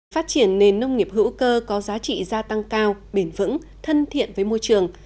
phát triển nền nông nghiệp hữu cơ có giá trị gia tăng cao bền vững thân thiện với môi trường